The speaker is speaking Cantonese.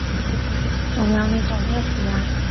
仲有你做咩事啊？